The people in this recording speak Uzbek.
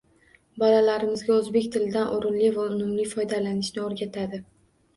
Bolalarimizga oʻzbek tilidan oʻrinli va unumli foydalanishni o'rgatadi